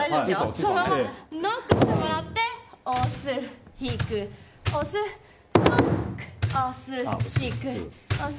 そのままノックしてもらって押す、引く、押すノック、押す、引く、押す。